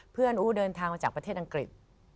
อู๋เดินทางมาจากประเทศอังกฤษ